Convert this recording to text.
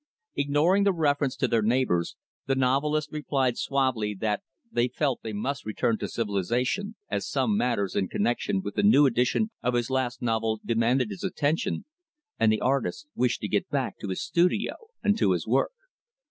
Ignoring the reference to their neighbors, the novelist replied suavely that they felt they must return to civilization as some matters in connection with the new edition of his last novel demanded his attention, and the artist wished to get back to his studio and to his work.